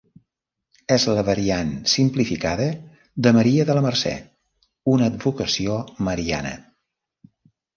És la variant simplificada de Maria de la Mercè, una advocació mariana.